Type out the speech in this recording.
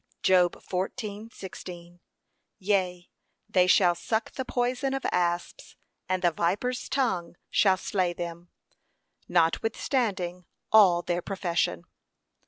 (Job 14:16) Yea, they shall suck the poison of asps, and the viper's tongue shall slay them, notwithstanding all their profession.